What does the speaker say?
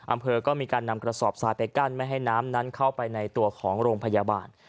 อำเภอก็มีการนำกระสอบทรายไปกั้นไม่ให้น้ำนั้นเข้าไปในตัวของโรงพยาบาล